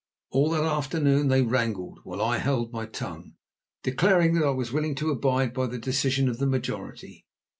All that afternoon they wrangled, while I held my tongue, declaring that I was willing to abide by the decision of the majority.